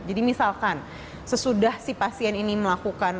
jadi misalkan sesudah si pasien ini melakukan